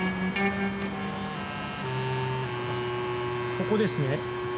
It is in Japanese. ここですね。